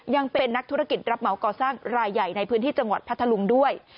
ยังเป็นนักธุรกิจรับเหมาก่อสร้างรายใหญ่ในพื้นที่จังหวัดพัทธลุงด้วย